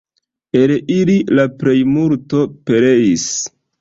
El ili la plejmulto pereis.